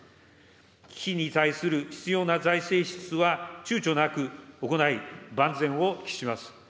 危機に対する必要な財政支出はちゅうちょなく行い、万全を期します。